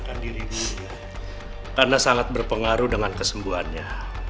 karena sangat berpengaruh dengan kesembuhannya